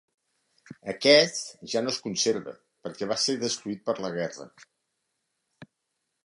Aquest, ja no es conserva perquè va ser destruït per la guerra.